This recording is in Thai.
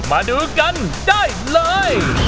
มาดูกันได้เลย